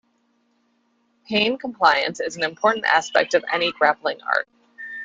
Pain compliance is an important aspect of any grappling art.